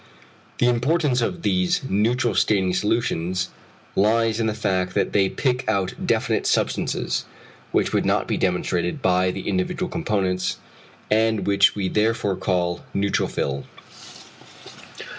The importance of these neutral staining solutions lies in the fact that they pick out definite substances, which would not be demonstrated by the individual components, and which we therefore call =neutrophil=.